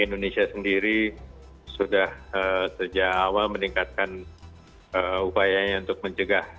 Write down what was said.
indonesia sendiri sudah sejak awal meningkatkan upayanya untuk mencegah